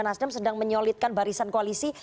nasdem sedang menyolidkan barisan koalisi